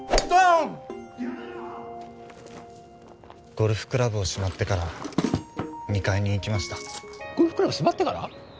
・ゴルフクラブをしまってから２階に行きましたゴルフクラブしまってから？